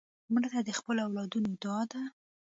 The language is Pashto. مړه ته د خپلو اولادونو دعا ده